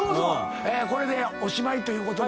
これでおしまいということで。